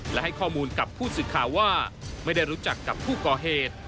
และให้ข้อมูลกับผู้สื่อข่าวว่าไม่ได้รู้จักกับผู้ก่อเหตุ